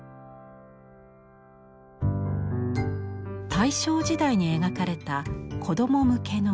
大正時代に描かれた子供向けの絵。